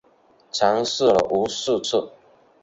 尝试了无数次